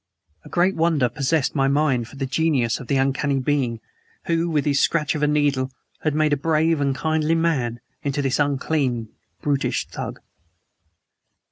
A great wonder possessed my mind for the genius of the uncanny being who with the scratch of a needle had made a brave and kindly man into this unclean, brutish thing.